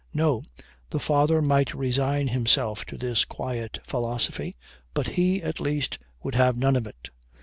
No! the father might resign himself to his quiet philosophy, but he, at least, would have none of it.